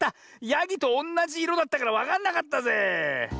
やぎとおんなじいろだったからわかんなかったぜえ。